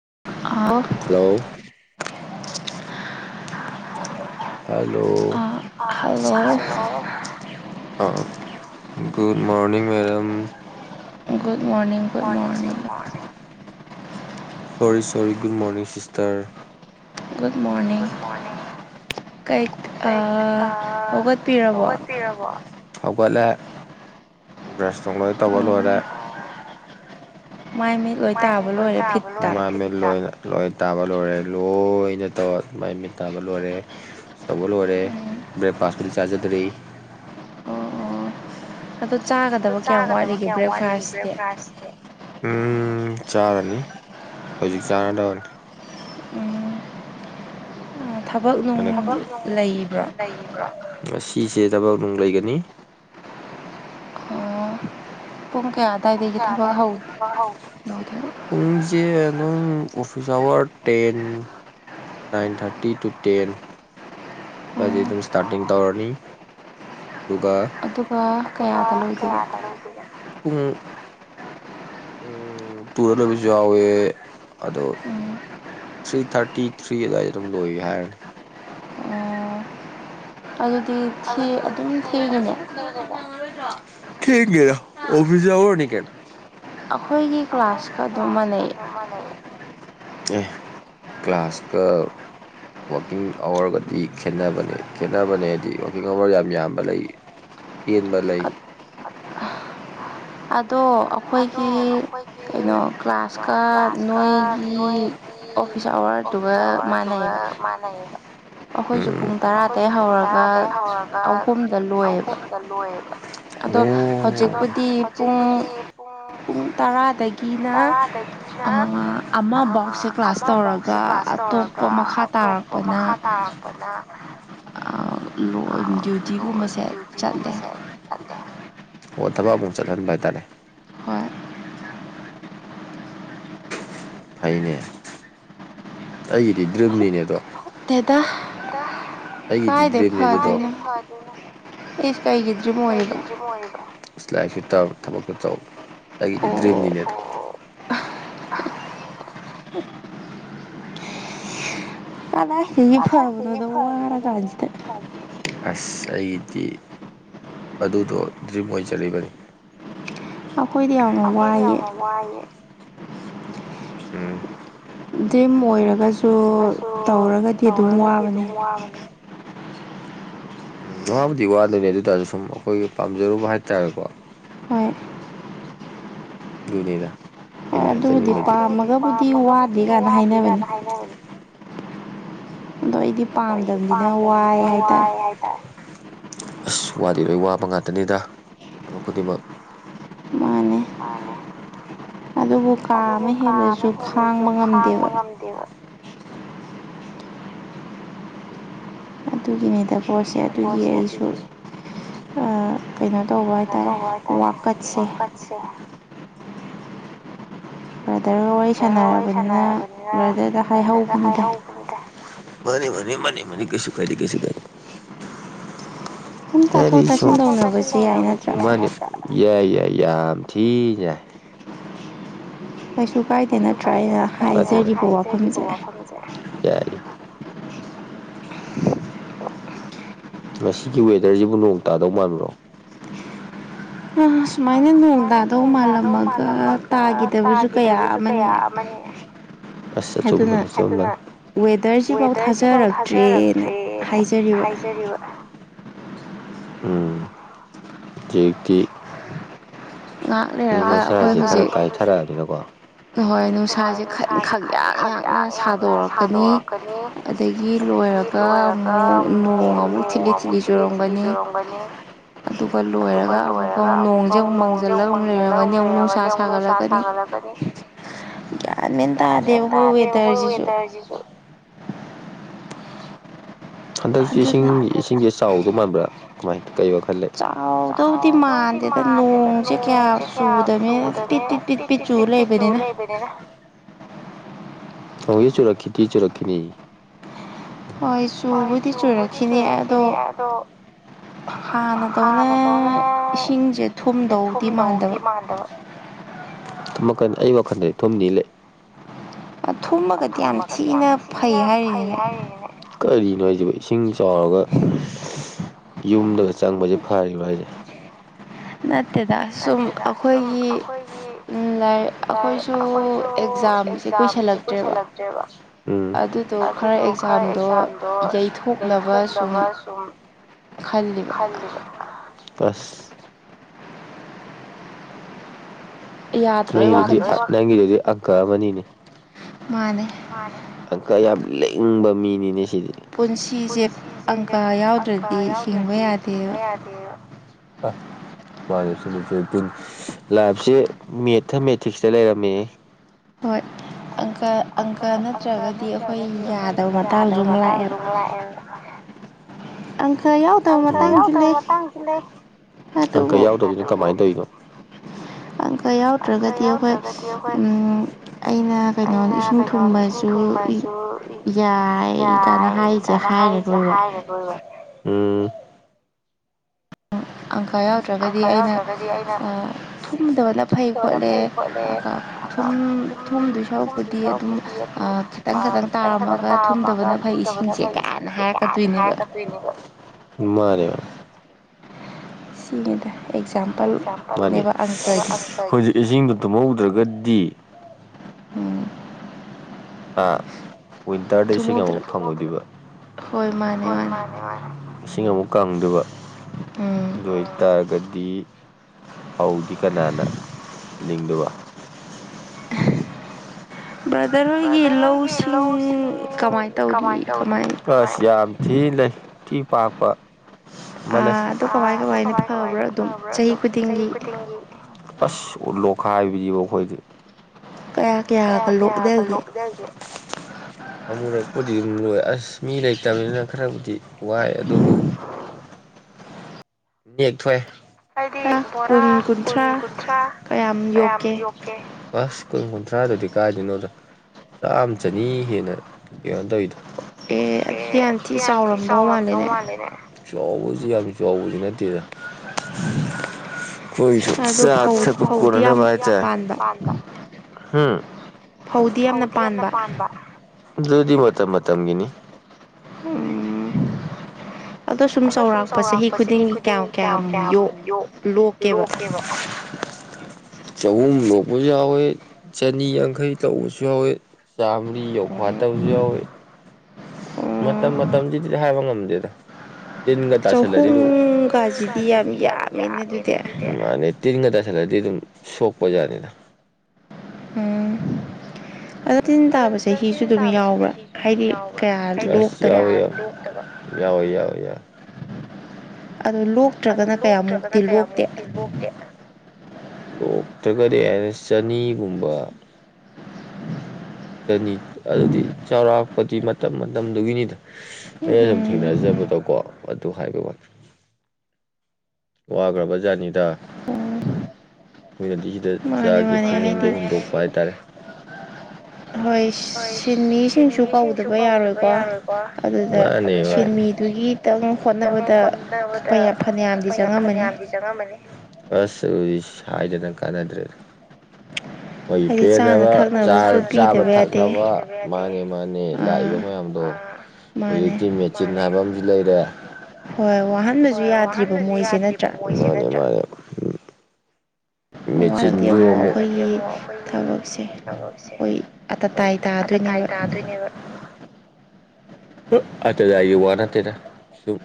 ꯑ ꯍꯂꯣ ꯑ hello good morning ma'am good ꯃꯣꯔꯅꯤꯡꯒ ꯒꯗ ꯃꯣꯔꯅꯤꯡꯅꯤꯡ sorry sorry good morning sister good morning ꯀꯩ ꯑ ꯍꯧꯒꯠꯄꯤꯔꯕꯣ ꯍꯧꯒꯠꯂꯦ ꯕ꯭ꯔꯁꯇꯣꯡ ꯂꯣꯏ ꯇꯧꯕ ꯂꯣꯏꯔꯦ ꯂꯣꯏ ꯇ ꯂꯣꯏ ꯂꯣꯏ ꯇꯥꯕ ꯂꯣꯏꯔꯦ ꯂꯣꯏꯅ ꯇꯧ ꯑꯗꯨ ꯃꯥꯏ ꯃꯤꯠ ꯇꯥꯕ ꯂꯣꯏꯔꯦ ꯇꯧꯕ ꯂꯣꯏꯔꯦ ꯕ꯭ꯔꯦꯛ ꯄꯥꯁꯄꯗꯤ ꯆꯥꯖꯗ꯭ꯔꯏ ꯑꯣ ꯑꯗꯣ ꯆꯥꯒꯗꯕ ꯀꯌꯥꯝ ꯋꯥꯠꯂꯤꯒꯦ ꯕ꯭ꯔꯦꯛꯐꯥꯁꯁꯦ ꯎꯝ ꯆꯥꯔꯅꯤ ꯍꯧꯖꯤꯛ ꯆꯥꯟꯅꯗꯕꯅꯤ ꯊꯕꯛ ꯅꯨꯡ ꯂꯩꯕ꯭ꯔꯥ ꯉꯁꯤꯁꯦ ꯊꯕꯛ ꯅꯨꯡ ꯂꯩꯒꯅꯤ ꯄꯨꯡ ꯀꯌꯥ ꯑꯗꯨꯏꯗꯩꯗꯤ ꯊꯕꯛ ꯍꯥꯎꯏ ꯑꯗꯨꯝ ꯑꯣꯐꯤꯁ ꯑꯋꯥꯔ ten nine thirty to ten ꯄꯖꯦ ꯑꯗꯨꯝ ꯁꯇꯥꯔꯇꯤꯡ ꯇꯧꯔꯅꯤ ꯑꯗꯨꯒ ꯄꯨꯡ ꯇꯨꯔꯗ ꯂꯩꯕꯁꯨ ꯌꯥꯎꯋꯦ ꯑꯗꯣ ꯊ꯭ꯔꯤ ꯊꯥꯔꯇꯤ ꯊ꯭ꯔꯤꯗ ꯑꯗꯨꯝ ꯂ ꯍꯥꯏꯅ ꯑ ꯊꯒꯔ ꯑꯣꯐꯖꯎꯅꯤ ꯀꯅꯣ ꯑꯩꯈꯣꯏꯒꯤ ꯀ꯭ꯂꯥꯁꯀ ꯑꯗꯨꯝ ꯃꯥꯟꯅꯩ ꯀ꯭ꯂ ꯀ꯭ꯂꯥꯁꯀ ꯋꯥꯋꯥꯛꯀꯤꯡ ꯑꯋꯥꯔꯒꯗꯤ ꯈꯦꯠꯅꯕꯅꯦ ꯈꯦꯅꯕꯅꯦ ꯍꯥꯏꯗꯤ ꯋꯥꯋꯀꯤꯡ ꯑꯋꯥꯔ ꯌꯥꯝ ꯌꯥꯝꯕ ꯂꯩ ꯇꯦꯟꯕ ꯂꯩ ꯑꯗꯣ ꯑꯩꯈꯣꯏꯒꯤ ꯅꯣ ꯀ꯭ꯂꯥꯁꯀ ꯅꯣꯏꯒꯤ ꯑꯣꯐꯁ ꯑꯋꯥꯔ ꯊꯒ ꯃꯥꯅꯏꯌꯦꯒ ꯎꯝ ꯑꯩꯈꯣꯏꯁꯨ ꯄꯨꯡ ꯇꯔꯥꯗꯒꯤ ꯍꯧꯔꯒ ꯑꯍꯨꯝꯗ ꯂꯣꯏꯑꯕ ꯎꯝ ꯑꯗꯣ ꯍꯧꯖꯤꯛꯄꯨꯗꯤ ꯄꯨꯡ ꯇꯔꯥꯗ ꯀꯤꯅ ꯑꯃ ꯑꯃꯕꯧꯁꯦ ꯀ꯭ꯂꯥꯁ ꯇꯧꯔꯒ ꯑꯇꯣꯞꯄ ꯃꯈꯥ ꯇꯥ ꯑꯇꯣꯞꯄ ꯃꯈꯥ ꯇꯥꯔꯛꯄꯅ ꯂ ꯗꯌꯨꯇꯤꯒꯨꯝꯃꯁꯦꯗꯦ ꯑꯣ ꯊꯕꯛ ꯑꯃꯨꯛ ꯆꯠꯍꯟꯕ ꯍꯥꯏꯇꯥꯔꯦ ꯍꯣꯏ ꯎꯝ ꯐꯥꯏꯅꯦ ꯑꯩꯒꯤꯗꯤ ꯗ꯭ꯔꯤꯝꯅꯤꯅꯦꯗꯣ ꯑꯩꯒꯤꯗꯤ ꯗ꯭ꯔꯤꯝꯅꯦ ꯑꯗꯨꯗꯣ ꯑꯩ ꯀꯩꯒꯤ ꯗ꯭ꯔꯤꯝ ꯑꯣꯏꯔꯤꯕ ꯂꯥꯏꯐꯁꯨ ꯇꯝ ꯊꯕꯛꯇꯣ ꯇꯧꯕ ꯑꯩꯒꯤꯗꯤ ꯗ꯭ꯔꯤꯝꯅꯤꯅꯦꯗ ꯆꯅꯥ ꯁꯤꯐ ꯍꯥꯏꯔꯕꯗ ꯋꯥꯔꯒꯗꯦ ꯑꯁ ꯑꯩꯒꯤꯗꯤ ꯑꯗꯨꯗꯣ ꯗ꯭ꯔꯤꯝ ꯑꯣꯏꯖꯔꯤꯕꯅꯤ ꯑ ꯀꯣꯏꯗ ꯋꯥꯌꯦꯦ ꯝ ꯑꯣꯏꯔꯒꯁꯨ ꯑꯣꯏꯔꯒꯁꯨ ꯇꯧꯔꯒꯗꯤ ꯑꯗꯨꯝ ꯋꯥꯕꯅꯦ ꯎꯝ ꯅꯃꯥꯕꯨꯗꯤ ꯋꯥꯗꯣꯏꯅꯤ ꯑꯗꯨꯗꯁꯨ ꯁꯨꯝ ꯑꯩꯈꯣꯏꯒꯤ ꯄꯥꯝꯖꯔꯨꯕ ꯍꯥꯏꯇꯥꯔꯦꯀꯣ ꯨꯅꯤꯗ ꯑꯩꯅ ꯍꯥꯏꯖꯅꯤꯡꯕꯕꯨ ꯄꯥꯝꯃꯒꯕꯨꯗꯤ ꯋꯥꯗꯦ ꯀꯥꯏꯅ ꯍꯥꯏꯅꯅꯤ ꯑꯩꯣꯏꯗꯤ ꯄꯥꯝꯗꯅꯤꯅ ꯋꯥꯏ ꯍꯥꯏꯇꯥꯔꯦ ꯑꯁ ꯋꯥꯗꯤ ꯂꯣꯏ ꯋꯥꯕ ꯉꯥꯛꯇꯅꯤꯗ ꯊꯕꯛ ꯈꯨꯗꯤꯡꯃꯛ ꯑꯅꯦ ꯑꯗꯨꯕꯨ ꯀꯥ ꯑꯃ ꯍꯦꯜꯂꯁꯨ ꯈꯥꯡꯕ ꯉꯝꯗꯦꯕ ꯑꯗꯨꯒꯤꯅꯤꯗ ꯄꯣꯠꯁꯦ ꯑꯗꯨꯒꯤ ꯑꯩꯁꯨ ꯀꯩꯅꯣ ꯇꯧꯕ ꯍꯥꯏꯇꯥꯔꯦ ꯋꯥꯀꯠꯁꯦ ꯑꯣ ꯕ꯭ꯔꯥꯗꯔ ꯋꯥꯔꯤ ꯁꯥꯟꯅꯔꯕꯅꯤꯅ ꯕ꯭ꯔꯗꯔꯗ ꯍꯥꯏꯍꯧꯕꯅꯤꯗꯥꯏ ꯃꯅꯤ ꯃꯅꯤ ꯃꯅꯤ ꯃꯅꯤ ꯀꯩꯁ ꯀꯥꯏꯗꯤ ꯀꯩꯁ ꯀꯥꯏ ꯑꯦꯔꯤꯅꯤ ꯌꯥꯏ ꯌꯥꯏ ꯌꯥꯝ ꯊꯤ ꯌꯥꯏ ꯀꯩꯁꯨ ꯀꯥꯏꯗꯦ ꯅꯠꯇ꯭ꯔꯥ ꯑꯅ ꯍꯥꯏꯖꯔꯤꯕ ꯋꯥꯐꯝꯁꯦ ꯌꯥꯏ ꯉꯁꯤꯒꯤ ꯋꯦꯗꯔꯁꯤꯕꯨ ꯅꯣꯡ ꯇꯥꯗꯧ ꯃꯥꯟꯕ꯭ꯔꯣ ꯎꯝ ꯁꯨꯃꯥꯏꯅ ꯅꯣꯡ ꯇꯥꯗꯧ ꯃꯥꯜꯂꯝꯃꯒ ꯇꯥꯈꯤꯗꯕꯁꯨ ꯀꯌꯥ ꯑꯃ ꯑ ꯆꯣꯕꯅꯤ ꯆꯕꯅꯤ ꯋꯦꯗꯔꯁꯤꯐꯥꯎ ꯊꯥꯖꯔꯛꯇ꯭ꯔꯦꯅ ꯍꯥꯏꯖꯔꯤꯕ ꯎꯝ ꯀꯦꯀꯤ ꯉꯥꯛ ꯂꯩꯔꯒ ꯑꯩꯈꯣꯏ ꯍꯧꯖꯤꯛ ꯍ ꯍꯣꯏ ꯅꯨꯡꯁꯥꯁꯦ ꯈꯛ ꯌꯥꯡ ꯌꯥꯡꯅ ꯁꯥꯗꯣꯔꯛꯀꯅꯤ ꯑꯗꯒꯤ ꯂꯣꯏꯔꯒ ꯑꯃꯨꯛ ꯅꯣꯡ ꯑꯃꯨꯛ ꯊꯤꯠꯂꯤ ꯊꯤꯠꯂꯤ ꯆꯨꯔꯝꯒꯅꯤ ꯑꯗꯨꯒ ꯂꯣꯏꯔꯒ ꯑꯃꯨꯛꯀ ꯑꯃꯨꯛ ꯅꯣꯡꯁꯦ ꯑꯃꯨꯛ ꯃꯪꯖꯕ ꯂ ꯎꯒ ꯅꯎꯅ ꯁꯥ ꯁꯥꯒꯂꯒꯅꯤ ꯌꯥꯅꯦꯅ ꯇꯥꯗꯦ ꯍꯈꯣꯏ ꯑꯣꯏꯦꯇꯥꯔꯁꯤꯁꯨ ꯍꯟꯗꯛꯁꯤ ꯏꯁꯤꯡ ꯏꯁꯤꯡꯁꯦ ꯆꯥꯎꯗꯣ ꯃꯥꯟꯕ꯭ꯔꯥ ꯀꯃꯥꯏꯅ ꯇ ꯀꯣ ꯈꯜꯂ ꯆꯥꯎꯗꯧꯗꯤ ꯃꯥꯟꯗꯦꯗ ꯅꯣꯡꯁꯦ ꯀꯌꯥ ꯆꯨꯗꯦ ꯇꯤ ꯇꯤ ꯇꯤ ꯄꯤ ꯆꯨ ꯂꯩ ꯂꯩꯕꯅꯤꯅ ꯍꯒꯤ ꯆꯨꯔꯛꯈꯤꯗꯤ ꯆꯨꯔꯛꯈꯤꯅꯤ ꯍꯣꯏ ꯆꯨꯕꯨꯗꯤ ꯆꯨ ꯑꯈꯅꯤ ꯑꯗꯣ ꯍꯥꯟꯅꯗꯧꯅ ꯏꯁꯤꯡꯁꯦ ꯊꯨꯝꯗꯧꯗꯤ ꯃꯥꯟꯗꯕ ꯃꯈꯜ ꯑꯩ ꯋꯥꯈꯜꯗꯗꯤ ꯊꯨꯝꯅꯤ ꯂꯩ ꯑ ꯊꯨꯝꯃꯒꯗꯤ ꯌꯥꯝ ꯊꯤꯅ ꯐꯩ ꯍꯥꯏꯔꯤꯅꯤꯅꯦ ꯀꯔꯤꯅꯣ ꯍꯥꯏꯁꯤꯕ ꯏꯁꯤꯡ ꯆꯥꯎꯔꯒ ꯌꯨꯝꯗꯒ ꯆꯪꯕꯁꯦ ꯐꯔꯤꯕ꯭ꯔꯥ ꯍꯥꯏꯁꯦ ꯅꯠꯇꯦꯗ ꯁꯨꯝ ꯑꯩꯈꯣꯏꯒꯤ ꯑꯩꯈꯣꯏꯁꯨ ꯑꯦꯛꯖꯥꯝꯁꯦ ꯀꯨꯏꯁꯜꯂꯛꯇ꯭ꯔꯦꯕ ꯎ ꯑꯗꯨꯗꯣ ꯈꯔ ꯑꯦꯛꯖꯥꯝꯗꯣ ꯂꯩꯊꯣꯛ ꯀꯣꯛꯅꯕ ꯁꯨꯝ [inaudible] ꯈꯥꯏꯕꯁ ꯅꯪꯒꯤꯗꯨꯗꯤ ꯅꯪꯒꯤꯗꯨꯗꯤ ꯑꯀ ꯃꯅꯤꯅꯦ ꯑꯪꯀ ꯌꯥꯝ ꯂꯕ ꯃꯤꯅꯤꯅꯦ ꯄꯨꯟꯁꯤꯁꯦ ꯑꯪꯀ ꯌꯥꯎꯗ꯭ꯔꯗꯤ ꯍꯤꯡꯕ ꯌꯥꯗꯦ ꯑ ꯃꯥꯅꯦ ꯂꯥꯏꯞꯁꯦ ꯃꯦꯊꯃꯦꯇꯤꯛꯁꯇ ꯂꯩꯔꯝꯃꯦ ꯍꯣꯏ ꯑꯪꯀ ꯑꯪꯀ ꯅꯠꯇ꯭ꯔꯒꯗꯤ ꯑꯩꯈꯣꯏ ꯌꯥꯗꯕ ꯃꯇꯥꯡꯁꯨ ꯑꯃꯨꯛ ꯂꯥꯛꯑꯦꯕ ꯑꯪꯀ ꯌꯥꯎꯗꯕ ꯃꯇ ꯑꯪꯀ ꯌꯥꯎꯗꯕꯁꯤꯅ ꯀꯃꯥꯏꯅ ꯇꯧꯔꯤꯅꯣ ꯄꯪꯀ ꯌꯥꯎꯗ꯭ꯔꯒꯗꯤ ꯑꯩꯈꯣꯏ ꯑꯩꯅ ꯀꯩꯅꯣ ꯏꯁꯤꯡ ꯊꯨꯝꯕꯁꯨ ꯁ ꯌꯥꯏ ꯀꯅ ꯍꯥꯏꯁꯦ ꯍꯥꯏꯔꯗꯣꯏꯕ ꯎꯝ ꯑꯪꯀꯥ ꯌꯥꯎꯗ꯭ꯔꯒꯗꯤ ꯑꯩꯅ ꯊꯨꯝꯗꯕꯅ ꯐꯩ ꯈꯣꯠꯂꯦ ꯁꯨꯝ ꯁꯨꯝꯗꯨ ꯁꯔꯨꯛꯄꯨꯗꯤ ꯑꯗꯨꯝ ꯈꯤꯇꯪ ꯈꯤꯇꯪ ꯇꯥꯔꯝꯃꯒ ꯁꯨꯝꯗ ꯃꯥ ꯁꯤꯒꯤꯗ ꯃꯥꯅꯤ ꯍꯧꯏꯖꯤꯛ ꯏꯁꯤꯡꯗ ꯇꯨꯝꯍꯧꯗ꯭ꯔꯒꯗꯤ ꯗꯤ ꯑ ꯋꯤꯟꯇꯔꯗ ꯏꯁꯤꯡ ꯑꯃꯨꯛ ꯐꯪꯉꯨꯗꯕ ꯍꯣꯏ ꯃꯥꯅꯤ ꯃꯥ ꯏꯁꯤꯡ ꯑꯃꯨꯛ ꯀꯪꯗꯕ ꯑꯗꯨ ꯑꯣꯏꯇꯥꯔꯒꯗꯤ ꯗꯤ ꯐꯧꯗꯤ ꯀꯅꯥꯅ ꯂꯤꯡꯗꯕ ꯂꯧ ꯀꯃꯥꯏ ꯇꯧ ꯌꯥꯝ ꯊꯤ ꯂꯩ ꯇꯤꯄꯥꯛꯄ ꯃ ꯐꯉꯕ꯭ꯔꯣ ꯑꯗꯨ ꯆꯍꯤ ꯈꯨꯗꯤꯡꯒꯤ ꯄꯈꯥꯏꯕꯤꯔꯤꯕ ꯑꯩꯈꯣꯏꯗꯤ ꯀꯌꯥ ꯀꯌꯥꯒ ꯂꯣꯛꯅꯒꯦ ꯑꯃꯨꯔꯛꯄꯨꯗꯤ ꯑꯗꯨꯝ ꯂꯣꯏ ꯑꯁ ꯃꯤ ꯂꯩꯇꯕꯅꯤꯅ ꯈꯔꯕꯨꯗꯤ ꯋꯥꯏ ꯑꯗꯨꯕꯨ [inaudible] ꯅꯦꯛꯊꫭꯀꯑ ꯍꯥꯏꯗꯤ ꯕꯣꯔꯥ ꯀꯨꯟ ꯀꯨꯟꯊ꯭ꯔꯥ ꯀꯌꯥꯝ ꯌꯣꯛꯀꯦ ꯀꯨꯟ ꯀꯨꯟꯊ꯭ꯔꯥꯗꯗꯤ ꯀꯥꯏꯗꯣꯏꯅꯣꯗ ꯆꯥꯝꯃ ꯆꯅꯤ ꯍꯦꯟꯅ ꯀꯩꯅꫭ ꯅꯒꯤꯟ ꯇꯧꯔꯤꯗꯣ ꯑꯦ ꯑꯟꯊꯤ ꯆꯥꯎꯔꯝꯗꯧ ꯃꯥꯂꯦ ꯅꯪ ꯆꯥꯎꯁꯨ ꯌꯥꯝ ꯆꯥꯎꯕꯁꯨ ꯅꯠꯇꯦꯗ [unintelligible] ꯍꯧꯗꯤ ꯌꯥꯝꯅ ꯄꯥꯟꯕ ꯑꯗꯨꯗꯤ ꯃꯇꯝ ꯃꯇꯝꯒꯤꯅꯤ ꯑꯗꯣ ꯁꯨꯝ ꯆꯥꯎꯧꯔꯥꯛꯄ ꯆꯍꯤ ꯈꯨꯗꯤꯡꯒꯤ ꯀꯌꯥꯝ ꯀꯌꯥꯝ ꯂꯣꯛꯀꯦꯕ ꯆꯍꯨꯝ ꯂꯣꯛꯄꯁꯨ ꯌꯥꯎꯋꯤ ꯆꯅꯤ ꯌꯥꯡꯈꯩ ꯇꯧꯕꯁꯨ ꯌꯥꯎꯋꯤ ꯆꯥꯝꯃꯔꯤ ꯌꯧꯐꯥꯠꯇꯕꯁꯨ ꯌꯥꯎꯋꯤ ꯃꯇꯝ ꯃꯇꯝꯗꯨꯗꯤꯗꯤ ꯍꯥꯏꯕ ꯉꯝꯗꯦꯗ ꯇꯤꯟꯒ ꯇꯥꯁꯂ ꯇꯤꯟꯒ ꯇ ꯈꯂꯗꯤ ꯑꯗꯨꯝ ꯁꯣꯛꯄꯖꯥꯠꯅꯤꯅ ꯑꯗꯨꯅ ꯇꯤꯟ ꯇꯥꯕꯁꯤꯗ ꯍꯤꯁꯨ ꯑꯗꯨꯝ ꯌꯥꯎꯕ꯭ꯔꯥ ꯍꯥꯏꯗꯤꯛꯇꯕ ꯌꯥꯎꯋꯤ ꯌꯥꯎꯏ ꯌꯥꯏ ꯑꯗꯨ ꯂꯣꯛꯇ꯭ꯔꯒꯅ ꯀꯌꯥꯃꯨꯛꯇꯤ ꯂꯣꯛꯇꯦ ꯂꯣꯛꯇ꯭ꯔꯒꯗꯤ ꯑꯩꯅ ꯆꯅꯤꯒꯨꯝꯕ ꯆꯅꯤ ꯑꯗꯨꯗꯤ ꯆꯥꯎꯔꯥꯛꯄꯗꯤ ꯃꯇꯝ ꯃꯇꯝꯗꯨꯒꯤꯅꯤꯗ ꯑꯩꯅ ꯑꯗꯨꯝ ꯊꯦꯡꯅꯖꯕ ꯑꯗꯨꯗꯀꯣ ꯑꯗꯨ ꯍꯥꯏꯕ ꯋꯥꯅꯤꯦ [inaudible] ꯋꯥꯈ꯭ꯔꯕ ꯖꯥꯠꯅꯤꯗ ꯃꯣꯏꯅꯗꯤ ꯁꯤꯗ ꯆꯒꯦ ꯄꯨꯡꯗꯒꯨꯝꯕꯄ ꯍꯥꯏꯇꯥꯔꯦ ꯍꯣꯏ ꯁꯤꯟꯃꯤꯁꯤꯡꯁꯨ ꯀꯧꯗꯕ ꯌꯥꯔꯣꯏꯀꯣ ꯃꯥꯅꯤ ꯁꯤꯟꯃꯤꯗꯨꯒꯤꯗꯪ ꯍꯣꯠꯅꯕꯗ ꯐꯅꯌꯥꯝꯗꯤ ꯆꯪꯉꯝꯃꯅꯤ ꯑꯁ ꯍꯥꯏꯗꯅꯪ ꯀꯥꯟꯅꯗ꯭ꯔꯦꯗꯤ ꯃꯣꯏꯒꯤ ꯄꯦꯗꯕ ꯆꯥꯕ ꯊꯛꯅꯕ ꯃꯥꯅꯦ ꯃꯥꯅꯦ ꯂꯥꯛꯏꯕ ꯃꯌꯥꯝꯗꯣ ꯍꯧꯖꯤꯛꯇꯤ ꯃꯦꯆꯤꯟ ꯍꯥꯏꯕ ꯍꯣꯏ ꯋꯥꯍꯟꯁꯨ ꯌꯥꯗ꯭ꯔꯤꯕ ꯃꯣꯏꯁ ꯎꯝ ꯃꯦꯆꯤꯟ ꯌꯦꯉꯒꯗꯤ ꯑꯃꯨꯛ ꯑꯩꯈꯣꯏꯒꯤ ꯀꯥꯡꯂꯨꯞꯛꯁꯦꯈꯣꯏ ꯇꯥꯏ ꯇ ꯑꯗꯨꯣꯏꯅꯦꯕ ꯑꯇꯩꯗ ꯌꯨꯋꯥ ꯅꯠꯇꯔ ꯁꯨꯝ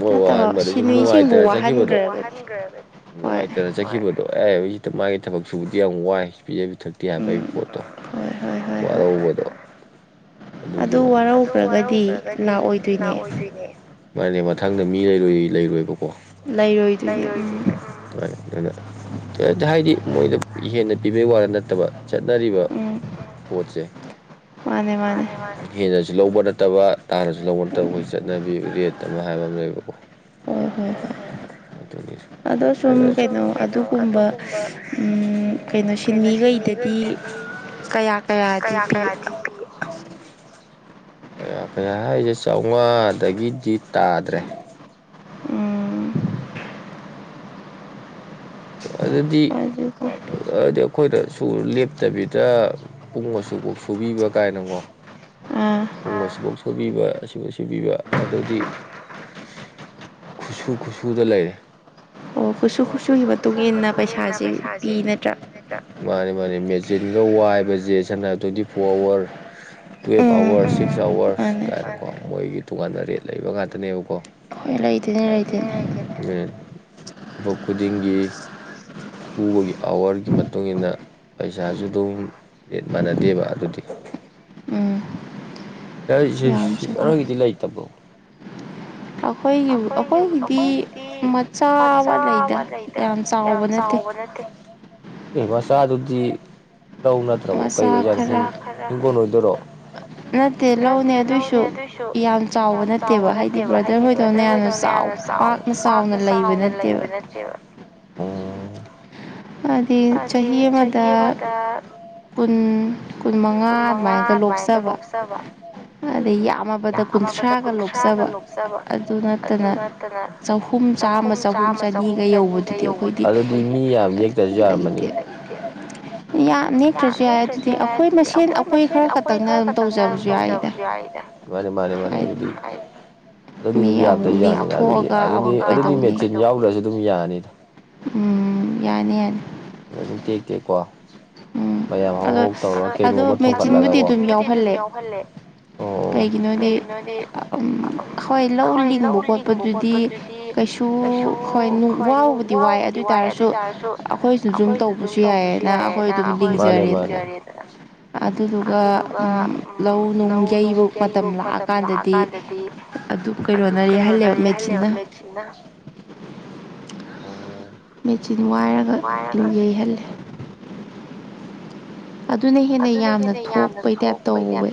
ꯃꯣꯏ ꯋꯥꯍꯟꯕꯗ ꯁꯨꯝ ꯅꯨꯡꯉꯥꯏꯇꯅ ꯆꯠꯈꯤꯕꯗꯣ ꯅꯨꯡꯉꯥꯏꯇꯅ ꯆꯠꯈꯤꯕꯗꯣ ꯑꯗꯣ ꯑꯦ ꯍꯧ ꯁꯤꯗ ꯃꯥꯒꯤ ꯊꯕꯛ ꯁꯨꯕꯗꯤ ꯌꯥꯝ ꯋꯥꯏ ꯄꯤꯖ ꯄꯤꯊꯛꯇꯦ ꯍꯥꯏꯕ ꯑꯩ ꯄꯣꯠꯇꯣ ꯋꯥꯕꯗꯣ ꯒꯤ ꯑꯗꯨ ꯋꯥꯔꯧꯈ꯭ꯔꯒꯗꯤ ꯂꯥꯛꯑꯣꯏꯗꯣꯏꯅꯦ ꯃꯥꯅꯦ ꯃꯊꯪꯗ ꯃꯤ ꯂꯩꯔꯣꯏ ꯂꯩꯔꯣꯏꯕꯀꯣ ꯍꯥꯏꯗꯤ ꯃꯣꯏꯗ ꯍꯦꯟꯅ ꯄꯤꯕꯩ ꯋꯥꯗ ꯅꯠꯇꯕ ꯆꯠꯅꯔꯤꯕ ꯄꯣꯠꯁꯦ ꯍꯦꯟꯅꯁꯨ ꯂꯧꯕ ꯅ ꯐꯠꯇꯕ ꯇꯥꯅꯁꯨ ꯂꯧꯅꯠꯇꯕ ꯑꯩꯈꯣꯏ ꯆꯠꯅꯕꯤ ꯔꯦꯠ ꯑꯃ ꯍꯥꯏꯕ ꯑꯃ ꯂꯩꯕꯀꯣ ꯍ ꯍꯣꯏ ꯍꯣꯏ ꯑꯗꯣ ꯁꯨꯝ ꯀꯩꯅꯣ ꯑꯗꯨ ꯀꯨꯝꯕ ꯀꯩꯅꯣ ꯁꯤꯟꯃꯤꯈꯩꯗꯗꯤ ꯀꯌꯥ ꯀꯌꯥꯗꯤ ꯗꯤ ꯄꯤ ꯀꯌꯥ ꯀꯌꯥ ꯍꯥꯏꯔꯤꯁꯦ ꯆꯥꯝꯃꯉꯥꯗꯒꯤꯗꯤ ꯇꯥꯗ꯭ꯔꯦ ꯑꯗꯨꯗꯤ ꯍꯥꯏꯗꯤ ꯑꯩꯈꯣꯏꯗ ꯁꯨꯂꯦꯞꯇꯕꯤꯗ ꯄꯨꯡ ꯑꯁꯨꯛꯐꯥꯎ ꯁꯨꯕꯤꯕ꯭ꯔꯥ ꯀꯥꯏꯅꯀꯣ [inaudible] ꯅꯣꯡ ꯑꯁꯤꯐꯧ ꯁꯣꯏꯕꯤꯕ ꯑꯁꯤꯕꯨ ꯁꯤꯕꯤꯕ ꯑꯗꯨꯗꯤ ꯈꯨꯠꯁꯨ ꯈꯨꯠꯁꯨꯗ ꯂꯩꯔꯦ ꯑꯣ ꯈꯨꯠꯁꯨ ꯈꯨꯠꯁꯨꯒꯤ ꯃꯇꯨꯡ ꯏꯟꯅ ꯄꯩꯁꯥꯁꯦ ꯄꯤ ꯅꯠꯇ꯭ꯔꯥ ꯃꯦꯆꯤꯟꯒ ꯋꯥꯏꯕꯁꯦ ꯁꯝꯅ ꯇ꯭ꯋꯦꯟꯇꯤ ꯐꯣꯔ ꯑꯋꯔ ꯇꯨꯋꯐ ꯑꯋꯔꯁ ꯁꯤꯛꯁ ꯑꯋꯔꯁ ꯀꯥꯏꯅꯀꯣ ꯃꯣꯏꯒꯤ ꯗꯨꯀꯥꯟꯗ ꯔꯦꯠ ꯂꯩꯕ ꯉꯥꯛꯇꯅꯦꯕꯀꯣ ꯊꯕꯛ ꯈꯨꯗꯤꯡꯒꯤ ꯁꯨꯕꯒꯤ ꯑꯋꯥꯔꯒꯤ ꯃꯇꯨꯡ ꯃꯇꯨꯡꯏꯟꯅ ꯄꯩꯁꯥꯁꯨ ꯑꯗꯨꯝ ꯔꯦꯠ ꯃꯥꯟꯅꯗꯦꯕ ꯑꯗꯨꯗꯤ ꯔꯒꯤꯗꯤ ꯂꯩ ꯏꯇꯕꯣ ꯑꯩꯈꯣꯏꯒꯤ ꯑꯩꯈꯣꯏꯒꯤꯗꯤ ꯃꯆꯥꯕ ꯂꯩꯗ ꯌꯥꯝ ꯆꯥꯎꯕ ꯃꯔꯠꯇ ꯑꯦ ꯃꯆꯥꯗꯨꯗꯤ ꯂꯧ ꯅꯠꯇ꯭ꯔꯕꯣ ꯀꯩ ꯑꯣꯏꯖꯥꯠꯅꯣ ꯍꯤꯡꯒꯣꯟꯜ ꯑꯣꯏꯗꯣꯏꯔꯣ ꯅꯠꯇꯦ ꯂꯧꯅꯦ ꯑꯗꯨꯏꯁꯨ ꯌꯥꯝ ꯆꯥꯎꯕ ꯅꯠꯇꯦꯕ ꯍꯥꯏꯗꯤ ꯕ꯭ꯔꯗꯔ ꯍꯣꯏꯗꯧ ꯑꯗ ꯍꯣꯏꯗꯣꯅ ꯌꯥꯝꯅ ꯆꯥꯎ ꯄꯥꯛꯅ ꯆꯥꯎꯅ ꯂꯩꯕ ꯅꯠꯇꯦꯕ ꯑꯣ ꯍꯥꯏꯗꯤ ꯆꯍꯤ ꯑꯃꯗ ꯀꯨꯟ ꯀꯨꯟ ꯃꯉꯥ ꯑꯗꯨꯃꯥꯏꯒ ꯂꯣꯛꯆꯕ ꯑꯗꯩ ꯌꯥꯝꯃꯕꯗ ꯀꯨꯟꯊ꯭ꯔꯥꯒ ꯂꯣꯛꯆꯕ ꯑꯗꯨ ꯅꯠꯇꯅ ꯆꯍꯨꯝ ꯆꯥꯝꯃ ꯆꯍꯨꯝ ꯆꯅꯤꯒ ꯌꯧꯕꯗꯗꯤ ꯑꯩꯈꯣꯏꯗꯤ ꯑꯗꯨ ꯂꯩꯇꯦ ꯅꯦꯛꯇ꯭ꯔꯁꯨ ꯌꯥꯏ ꯑꯗꯨꯗꯤ ꯑꯩꯈꯣꯏ ꯃꯁꯦꯟ ꯑꯩꯈꯣꯏ ꯈꯔ ꯈꯛꯇꯪꯅ ꯑꯗꯨꯝ ꯇꯧꯖꯕꯁꯨ ꯌꯥꯏꯗ ꯃꯥꯅꯤ ꯃꯥꯅꯤ ꯃꯥꯅꯤ ꯑꯗꯨ ꯑꯗꯨꯗꯤ ꯑꯗꯨꯝ ꯌꯥꯗ꯭ꯔꯁꯨ ꯌꯥꯅꯤꯅ ꯑꯗꯨꯗꯤ ꯑꯗꯨꯗꯤ ꯑꯗꯨꯗꯤ ꯃꯦꯆꯤꯟ ꯌꯥꯎꯗ꯭ꯔꯁꯨ ꯑꯗꯨꯝ ꯌꯥꯅꯤꯗ ꯎꯝ ꯌꯥꯅꯤ ꯌꯥꯅꯤ ꯣꯏ ꯑꯗꯨꯝ ꯇꯦꯛ ꯇꯦꯛꯀꯣ ꯃꯌꯥꯝ ꯍꯧꯍꯥꯎ ꯇꯧꯔꯒ ꯀꯩꯅꯣꯝꯃ ꯊꯣꯡꯒꯠꯂꯒꯀꯣ ꯌꯥ ꯀꯩꯒꯤꯅꯣꯗꯤ ꯎ ꯍꯣꯏ ꯂꯧ ꯂꯤꯡꯕ ꯈꯣꯠꯄꯗꯨꯗꯤ ꯀꯩꯁꯨ ꯍꯣꯏ ꯋꯥꯕꯨꯗꯤ ꯋꯥꯏ ꯑꯗꯨ ꯑꯣꯏꯇꯥꯔꯁꯨ ꯑꯩꯈꯣꯏꯁꯨ ꯑꯗꯨꯝ ꯇꯧꯕꯁꯨ ꯌꯥꯏꯌꯦꯅ ꯑꯩꯈꯣꯏꯖꯔꯦꯗꯅ ꯑꯗꯨꯗꯨꯒ ꯎꯝ ꯂ ꯅꯨꯡ ꯌꯩꯕ ꯃꯇꯝ ꯂꯥꯛꯑ ꯀꯥꯟꯗꯗꯤ ꯑꯗꯨ ꯀꯩꯅꯣꯅ ꯂꯩꯍꯜꯂꯦꯕ ꯃꯦꯆꯤꯟꯅ [inaudible] [inaudible] ꯑꯣ ꯃꯦꯆꯤꯟ ꯋꯥꯏꯔꯒ ꯌꯩꯍꯜꯂꯦ ꯑꯗꯨꯅ ꯍꯦꯟꯅ ꯌꯥꯝꯅ ꯊꯣꯛꯄꯩ ꯇꯥꯏꯞ ꯇꯧꯋꯦ